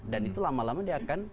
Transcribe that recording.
dan itu lama lama dia akan